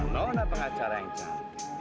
nona pengacara yang cantik